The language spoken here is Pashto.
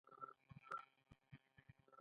آیا د انګورو باغونه په چیله شوي؟